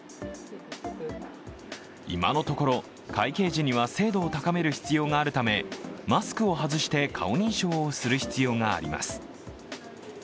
今のところ、会計時には精度を高める必要があるためマスクを外して顔認証をする必要があります。